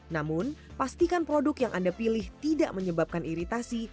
namun pastikan produk yang anda pilih tidak menyebabkan iritasi